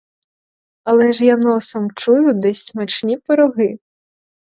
Але ж я носом чую десь смачні пироги.